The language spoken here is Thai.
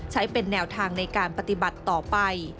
ใช้เป็นแนวทางในการปฏิบัติต่อไป